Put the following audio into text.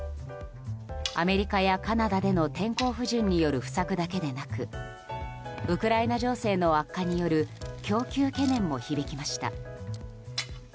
アメリカやカナダでの天候不順による不作だけでなくウクライナ情勢の悪化による供給懸念も響きました。